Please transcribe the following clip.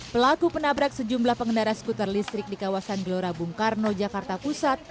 pelaku penabrak sejumlah pengendara skuter listrik di kawasan gelora bung karno jakarta pusat